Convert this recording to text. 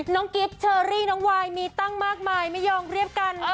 กิ๊บเชอรี่น้องวายมีตั้งมากมายไม่ยอมเรียบกัน